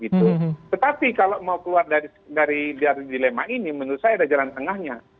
tetapi kalau mau keluar dari dilema ini menurut saya ada jalan tengahnya